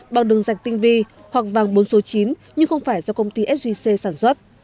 bằng đường dạch tinh vi hoặc vàng bốn số chín nhưng không phải do công ty sgc sản xuất